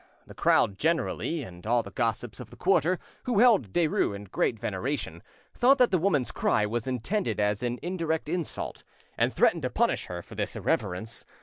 The crowd generally, and all the gossips of the quarter, who held Derues in great veneration, thought that the woman's cry was intended as an indirect insult, and threatened to punish her for this irreverence.